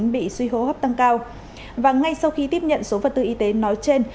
bị suy hô hấp tăng cao và ngay sau khi tiếp nhận số vật tư y tế nói trên